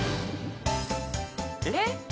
「えっ？」